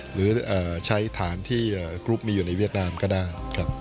หรือใช้ฐานที่กรุ๊ปมีอยู่ในเวียดนามก็ได้ครับ